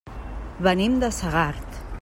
Venim de Segart.